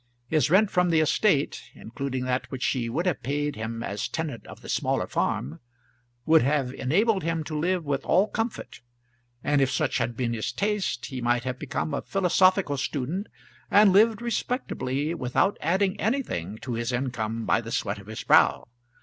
His rent from the estate, including that which she would have paid him as tenant of the smaller farm, would have enabled him to live with all comfort; and, if such had been his taste, he might have become a philosophical student, and lived respectably without adding anything to his income by the sweat of his brow.